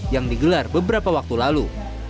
yang digelar beberapa waktu lalu